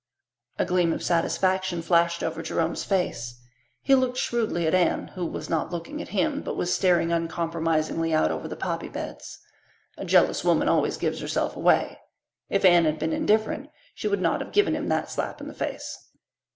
A gleam of satisfaction flashed over Jerome's face. He looked shrewdly at Anne, who was not looking at him, but was staring uncompromisingly out over the poppy beds. A jealous woman always gives herself away. If Anne had been indifferent she would not have given him that slap in the face.